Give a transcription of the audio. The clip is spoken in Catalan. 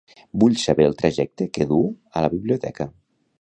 Vull saber el trajecte que du a la biblioteca.